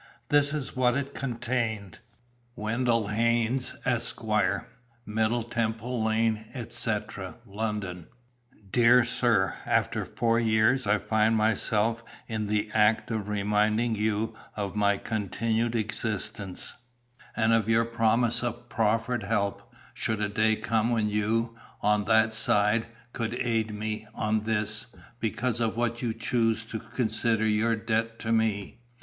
This is what it contained: "WENDELL HAYNES, Esq., "Middle Temple Lane, etc., London. "DEAR SIR, After four years I find myself in the act of reminding you of my continued existence, and of your promise of proffered help, should a day come when you, on that side, could aid me, on this, because of what you chose to consider your debt to me.